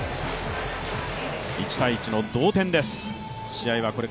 １−１の同点です。